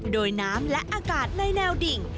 โดยน้ำและอากาศในแนวดิ่ง